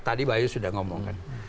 tadi bayu sudah ngomongkan